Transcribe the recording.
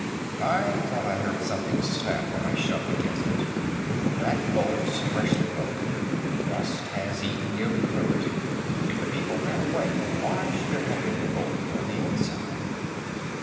"I thought I heard something snap when I shoved against it. That bolt's freshly broken. Rust has eaten nearly through it. If the people ran away, why should it have been bolted on the inside?"